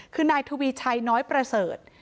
คือนายทวีชัยน้อยประเสริฐ